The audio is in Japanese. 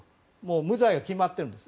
無罪が決まっているんです。